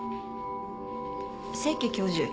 清家教授。